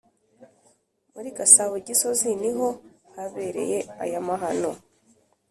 muri Gasabo Gisozi niho habereye ayo mahano.